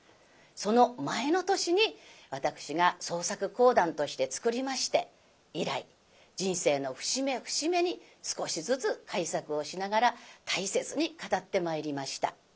その前の年に私が創作講談として作りまして以来人生の節目節目に少しずつ改作をしながら大切に語ってまいりました。